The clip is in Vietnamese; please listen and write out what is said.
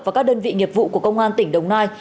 và các đơn vị nghiệp vụ của công an tỉnh đồng nai